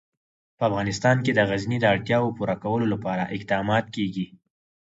په افغانستان کې د غزني د اړتیاوو پوره کولو لپاره اقدامات کېږي.